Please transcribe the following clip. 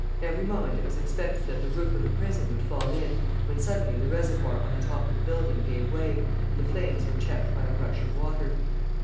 Every moment it was expected that the roof of the prison would fall in, when suddenly the reservoir on the top of the building gave way, and the flames were checked by a rush of water.